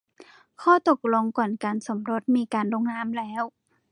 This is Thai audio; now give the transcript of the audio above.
ข้อตกลงก่อนการสมรสมีการลงนามแล้ว